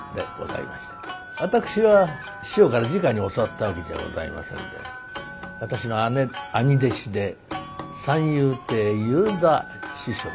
私は師匠からじかに教わったわけじゃございませんで私の兄弟子で三遊亭遊三師匠というのがいらっしゃいますな。